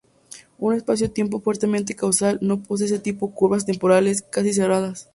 Un espacio-tiempo fuertemente causal no posee ese tipo curvas temporales "casi-cerradas".